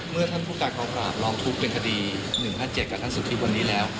เมื่อท่านผู้การกองปราบร้องทุกข์เป็นคดี๑๕๗กับท่านสุธิวันนี้แล้ว